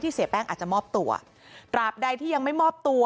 เสียแป้งอาจจะมอบตัวตราบใดที่ยังไม่มอบตัว